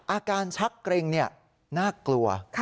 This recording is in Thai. อาการชักเกร็งน่ากลัว